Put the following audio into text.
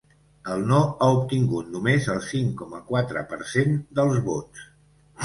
El no ha obtingut només el cinc coma quatre per cent dels vots.